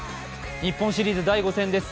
日本シリーズ第５戦です。